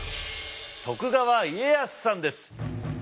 徳川家康さんです。